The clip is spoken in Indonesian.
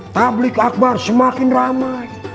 tablik akbar semakin ramai